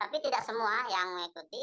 tapi tidak semua yang mengikuti